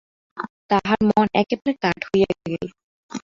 তাহার মন একেবারে কাঠ হইয়া গেল।